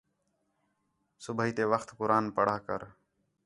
صوبیح تے وقت قرآن پڑھا کر